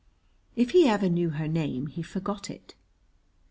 If he ever knew her name he forgot it.